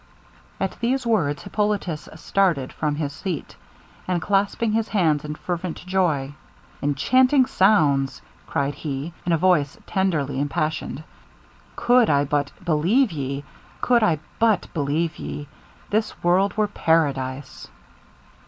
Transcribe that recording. At these words Hippolitus started from his seat, and clasping his hands in fervent joy, 'Enchanting sounds!' cried he, in a voice tenderly impassioned; 'could I but believe ye! could I but believe ye this world were paradise!'